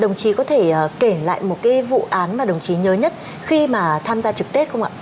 đồng chí có thể kể lại một cái vụ án mà đồng chí nhớ nhất khi mà tham gia trực tết không ạ